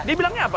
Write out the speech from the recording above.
dia bilangnya apa